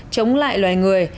chống lại loài người